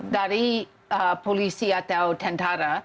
dari polisi atau tentara